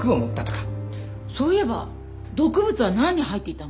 そういえば毒物はなんに入っていたの？